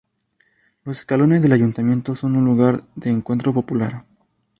Los escalones del Ayuntamiento son un lugar de encuentro popular.